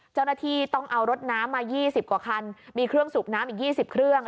เจ้าหน้าที่ต้องเอารถน้ำมา๒๐กว่าคันมีเครื่องสูบน้ำอีก๒๐เครื่อง